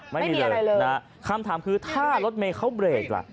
ไม่มีอะไรเลยนะครับคำถามคือถ้ารถเมฆเขาเบรกละ